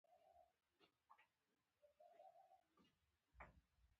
ټبیايان مالګه په احتیاط سره کاروي.